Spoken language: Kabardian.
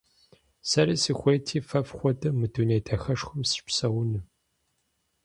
Сэри сыхуейти фэ фхуэдэу мы дуней дахэшхуэм сыщыпсэуну.